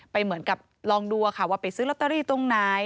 เหมือนกับลองดูว่าไปซื้อลอตเตอรี่ตรงไหน